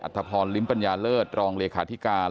ทพรลิ้มปัญญาเลิศรองเลขาธิการ